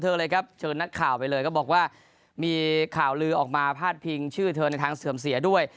เลยครับเชิญนักข่าวไปเลยก็บอกว่ามีข่าวลือออกมาพาดพิงชื่อเธอในทางเสื่อมเสียด้วย